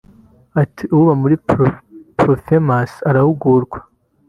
Ati “Uba muri Pro-Femmes arahugurwa